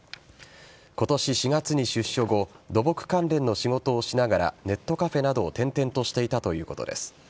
今年４月に出所後土木関連の仕事をしながらネットカフェなどを転々としていたということです。